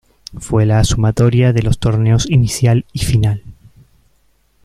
Fue la sumatoria de los torneos Inicial y Final.